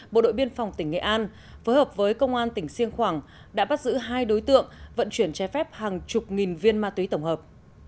bộ đội biên phòng tỉnh nghệ an phối hợp với công an tỉnh siêng khoảng đã bắt giữ hai đối tượng vận chuyển trái phép hàng chục nghìn viên ma túy tổng hợp